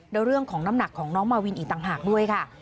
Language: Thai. แล้วเรื่องของน้ำหนักของน้องมาวินอีกต่างหากด้วยค่ะ